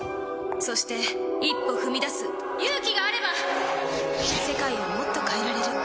そして、一歩踏み出す勇気があれば世界はもっと変えられる。